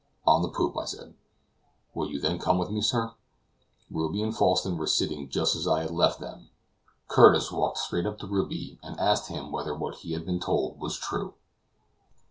"On the poop," I said. "Will you then come with me, sir?" Ruby and Falsten were sitting just as I had left them. Curtis walked straight up to Ruby, and asked him whether what he had been told was true.